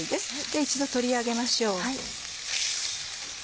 一度取り上げましょう。